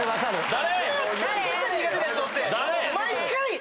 誰？